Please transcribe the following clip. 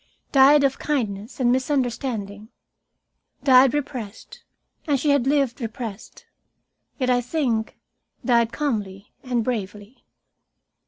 Died of kindness and misunderstanding. Died repressed, as she had lived repressed. Yet, I think, died calmly and bravely.